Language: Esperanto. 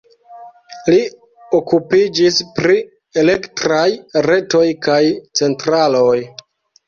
Li okupiĝis pri elektraj retoj kaj centraloj.